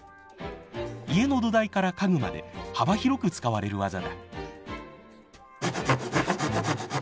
家の土台から家具まで幅広く使われる技だ。